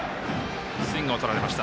スイングを取られました。